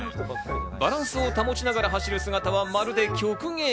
バランスを保ちながら走る姿はまるで曲芸。